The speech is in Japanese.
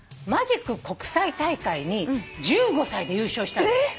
マジック国際大会に１５歳で優勝した。